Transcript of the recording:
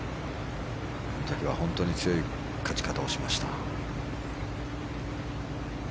あの時は本当に強い勝ち方をしました。